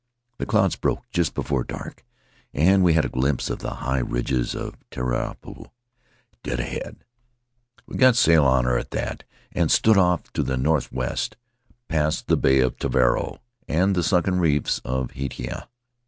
The clouds broke just before dark, and we had a glimpse of the high ridges of Taiarapu, dead ahead. We got sail on her at that, and stood off to the northwest, past the Bay of Taravao Aboard the Potii Ravarava and the sunken reefs of Hitiaa.